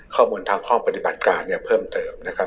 ข้อมูลทางห้องปฏิบัติการเนี่ยเพิ่มเติมนะครับ